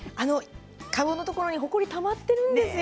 籠のところにほこりがたまっているんですよ。